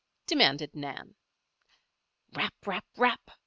demanded Nan. Rap! rap! rap!